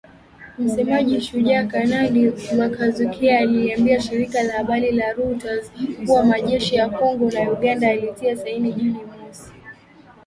Msemaji wa Shujaa, Kanali Mak Hazukay, aliliambia shirika la habari la Reuters kuwa majeshi ya Kongo na Uganda yalitia saini Juni mosi